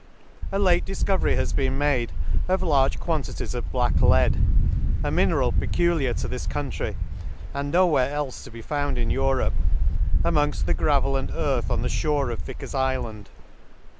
A late defcovery has been made of large quantities of black lead, (a mineral peculiar to this country, and no where elfe to be found in Europe) amongft the gravel and earth on the fhore of Vicar's ifland.